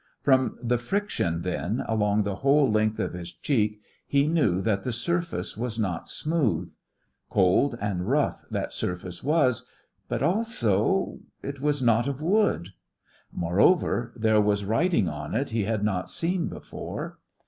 From the friction, then, along the whole length of his cheek he knew that the surface was not smooth. Cold and rough that surface was; but also it was not of wood. Moreover, there was writing on it he had not seen before.